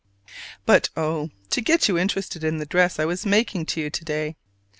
But oh, to get you interested in the dress I was making to you to day!